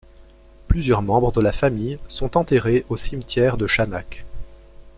Plusieurs membres de la famille sont enterrées au cimetière de Chanac.